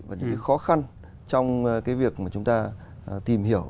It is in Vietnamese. và những khó khăn trong việc mà chúng ta tìm hiểu